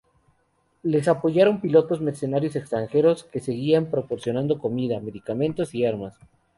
Les apoyaron pilotos mercenarios extranjeros, que seguían proporcionando comida, medicamentos y armas.